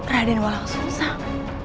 raden walau susah